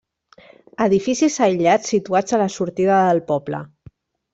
Edificis aïllats situats a la sortida del poble.